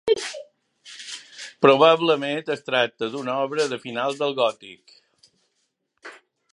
Probablement es tracta d'una obra de finals del gòtic.